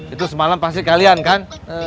itu semalam pasti kalian kan